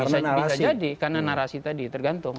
bisa jadi karena narasi tadi tergantung